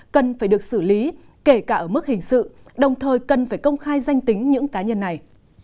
cần phải được xử lý kể cả ở mức hình sự đồng thời cần phải công khai danh tính những cá nhân này